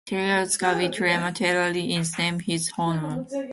Taylor's goby, "Trimma taylori", is named in his honor.